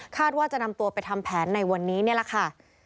ว่าจะนำตัวไปทำแผนในวันนี้นี่แหละค่ะ